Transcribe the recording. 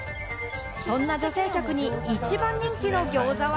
そんな女性客に一番人気のギョーザは？